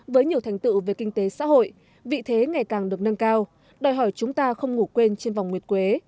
với nhiều thành tựu về kinh tế xã hội vị thế ngày càng được nâng cao đòi hỏi chúng ta không ngủ quên trên vòng nguyệt quế